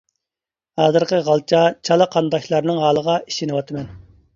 ھازىرقى غالچا، چالا قانداشلارنىڭ ھالىغا ئېچىنىۋاتىمەن!